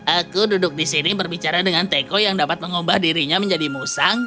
aku duduk di sini berbicara dengan teko yang dapat mengubah dirinya menjadi musang